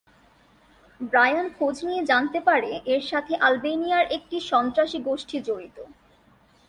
Brian খোঁজ নিয়ে জানতে পারে এর সাথে আলবেনিয়ার একটি সন্ত্রাসী গোষ্ঠী জড়িত।